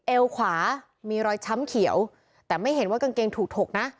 เอวขวามีรอยช้ำเขียวแต่ไม่เห็นว่ากางเกงถูกถกนะ